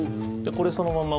これそのまま